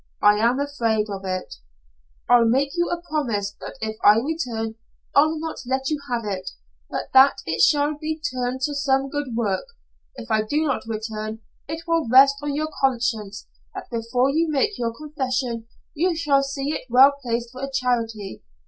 I am afraid of it." "I'll make you a promise that if I return I'll not let you have it, but that it shall be turned to some good work. If I do not return, it will rest on your conscience that before you make your confession, you shall see it well placed for a charity.